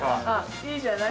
◆いいじゃない？